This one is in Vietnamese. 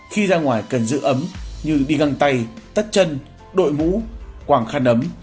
khi ra ngoài cần giữ ấm như đi găng tay tắt chân đội mũ quảng khăn ấm